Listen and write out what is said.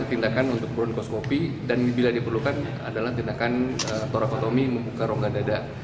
tindakan untuk broncoskopi dan bila diperlukan adalah tindakan torakotomi membuka rongga dada